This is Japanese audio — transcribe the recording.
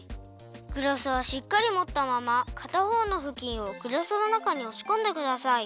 グラスはしっかりもったままかたほうのふきんをグラスの中におしこんでください。